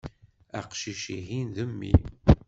Aqcic-ihin, d mmi.